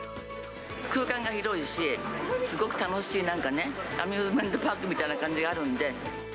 空間が広いし、すごく楽しい、なんかね、アミューズメントパークみたいな感じがあるんで。